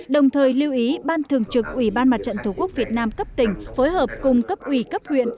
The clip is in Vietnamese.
đồng thời lưu ý ban thường trực ubndtqvn cấp tỉnh phối hợp cùng cấp ủy cấp huyện